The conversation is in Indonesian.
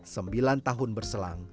sembilan tahun berselang